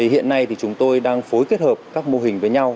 hiện nay chúng tôi đang phối kết hợp các mô hình với nhau